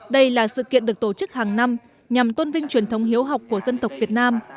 đây là sự kiện được tổ chức hàng năm nhằm tôn vinh truyền thống hiếu học của dân tộc việt nam